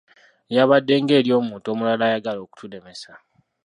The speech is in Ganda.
Lyabadde ng'ery'omuntu omulala ayagala okutulemesa.